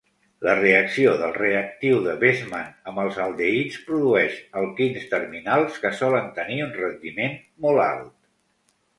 La reacció del reactiu de Bestmann amb els aldehids produeix alquins terminals que solen tenir un rendiment molt alt.